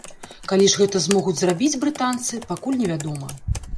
Калі ж гэта змогуць зрабіць брытанцы, пакуль не вядома.